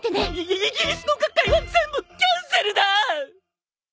イイギリスの学会は全部キャンセルだ！